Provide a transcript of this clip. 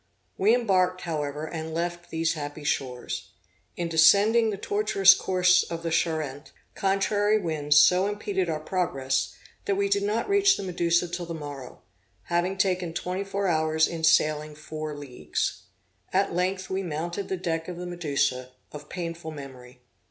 We embarked, however and left these happy shores. In descending the tortuous course of the Charente, contrary winds so impeded our progress, that we did not reach the Medusa till the morrow, having taken twenty four hours in sailing four leagues. At length we mounted the deck of the Medusa, of painful memory.